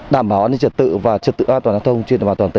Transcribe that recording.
đảm bảo an ninh trật tự và trật tự an toàn giao thông